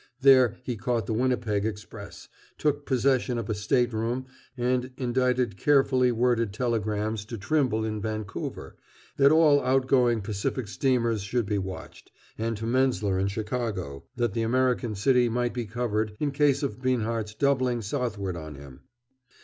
There he caught the Winnipeg express, took possession of a stateroom and indited carefully worded telegrams to Trimble in Vancouver, that all out going Pacific steamers should be watched, and to Menzler in Chicago, that the American city might be covered in case of Binhart's doubling southward on him.